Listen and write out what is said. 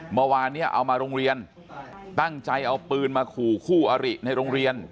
เมื่อวานนี้เอามาโรงเรียนตั้งใจเอาปืนมาขู่คู่อริในโรงเรียน